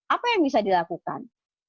apa yang bisa dilakukan